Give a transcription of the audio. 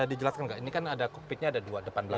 ini fungsinya apa